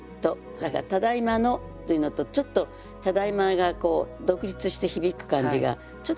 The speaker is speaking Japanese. だから「ただいまの」というのとちょっと「ただいま」が独立して響く感じがちょっと違ってくる気もしますね。